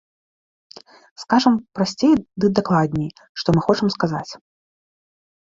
Скажам прасцей ды дакладней, што мы хочам сказаць.